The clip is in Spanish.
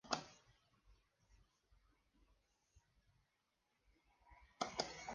Las distonía ocupacional suele permanecer focal y no se generaliza.